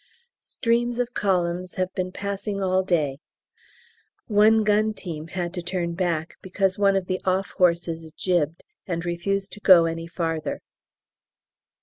Streams of columns have been passing all day; one gun team had to turn back because one of the off horses jibbed and refused to go any farther.